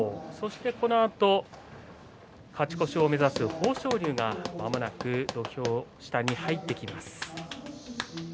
このあと、勝ち越しを目指す豊昇龍がまもなく土俵下に入ってきます。